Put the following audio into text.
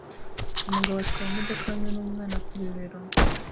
Umugabo atwara imodoka hamwe numwana ku bibero